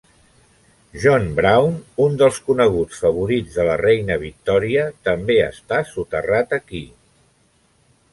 John Brown, un dels coneguts favorits de la reina Victòria, també està soterrat aquí.